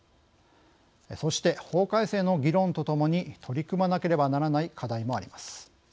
そして、法改正の議論とともに取り組まなければならない課題もあります。